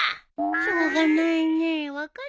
しょうがないね分かったよ。